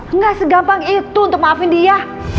enggak segampang itu untuk maafin dia